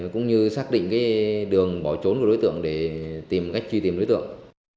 cũng như xác định đường bỏ trốn của đối tượng để tìm cách truy tìm đối tượng